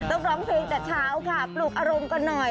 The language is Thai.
ต้องร้องเพลงแต่เช้าค่ะปลูกอารมณ์กันหน่อย